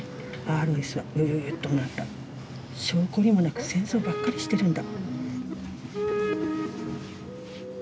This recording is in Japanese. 『しょうこりもなく戦争ばっかりしてるんだ』」。